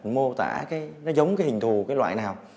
mô tả nó giống cái hình thù cái loại nào